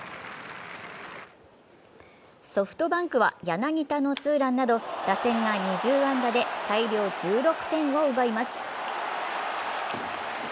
ソフトバンクは柳田のツーランなど打線が２０安打で大量１６点を奪います。